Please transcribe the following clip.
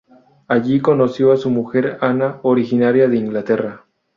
Allí conoció a su mujer Ana, originaria de Inglaterra.